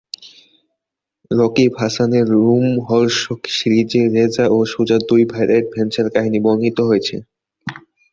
রকিব হাসানের রোমহর্ষক সিরিজে রেজা ও সুজা দুই ভাইয়ের এডভেঞ্চার কাহিনি বর্ণিত হয়েছে।